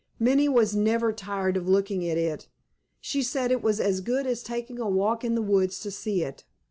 Minnie was never tired of looking at it. She said it was as good as taking a walk in the woods to see it.